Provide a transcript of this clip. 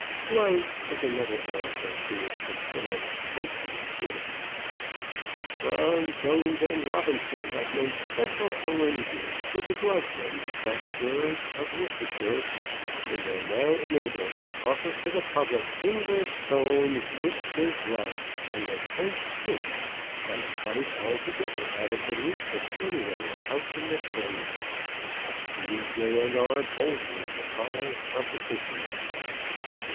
Gloves was another article to which considerable attention was given; BROWN, JONES, AND ROBINSON have made special arrangements with the glove manufacturers of Worcestershire, and are now enabled to offer to the public English sewn Worcester gloves, made of French kid, at a price altogether out of the reach of any other house in the trade. B., J., and R. boldly defy competition.